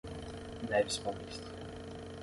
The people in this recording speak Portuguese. Neves Paulista